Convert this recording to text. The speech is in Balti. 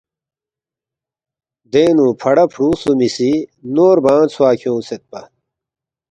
دینگ نُو فڑا فرُو خسُومی سی نور بانگ ژھوا کھیونگسیدپا